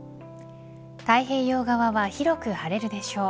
太平洋側は広く晴れるでしょう。